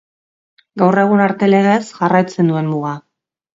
Gaur egun arte legez jarraitzen duen muga.